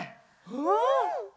うん！